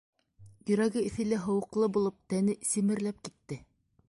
Йөрәге эҫеле-һыуыҡлы булып, тәне семерләп китте: